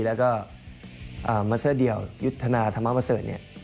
แล้วก็มัสเซอร์เดียวยุทธนาธรรมประเสริฐเนี่ย